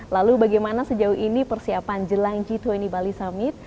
lalu bagaimana sejauh ini persiapan jelang g dua puluh bali summit